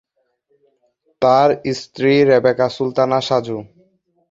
তার স্ত্রী রেবেকা সুলতানা সাজু।